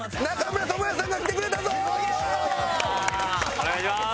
お願いします！